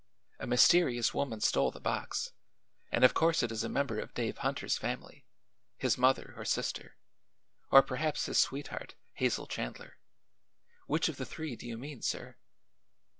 A mysterious woman stole the box, and of course it is a member of Dave Hunter's family his mother or sister or perhaps his sweetheart, Hazel Chandler. Which of the three do you mean, sir?"